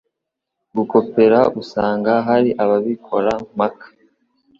Gukopera usanga hari ababikora mpaka